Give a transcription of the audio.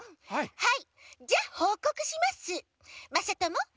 はい。